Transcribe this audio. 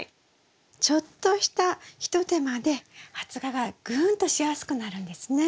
ちょっとした一手間で発芽がぐんとしやすくなるんですね。